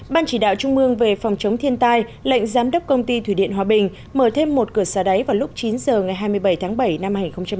ban chỉ đạo trung mương về phòng chống thiên tai lệnh giám đốc công ty thủy điện hòa bình mở thêm một cửa xa đáy vào lúc chín h ngày hai mươi bảy tháng bảy năm hai nghìn hai mươi